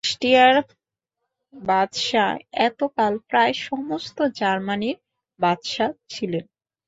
অষ্ট্রীয়ার বাদশা এতকাল প্রায় সমস্ত জার্মানীর বাদশা ছিলেন।